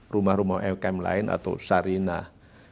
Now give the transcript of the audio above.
rumah rumah umkm lain atau sarinah